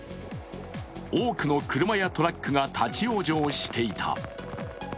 多くの車やトラックが立往生していた。